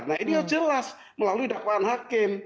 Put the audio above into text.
nah ini jelas melalui dakwaan hakim